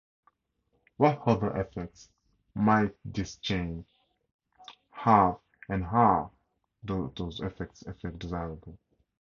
What other effects might this change have, and are those effects desirable?